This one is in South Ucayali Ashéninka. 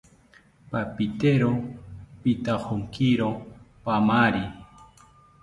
Papitero pitajonkiro paamari